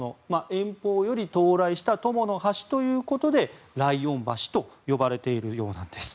遠方より到来した友の橋ということで来遠橋と呼ばれているようなんです。